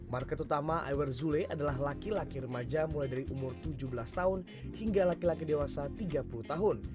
market utama iver zule adalah laki laki remaja mulai dari umur tujuh belas tahun hingga laki laki dewasa tiga puluh tahun